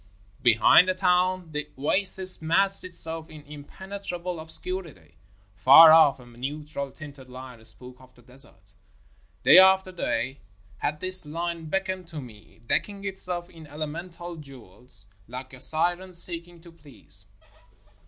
Behind the town, the oasis massed itself in impenetrable obscurity. Far off, a neutral tinted line spoke of the desert. Day after day had this line beckoned to me, decking itself in elemental jewels like a siren seeking to please.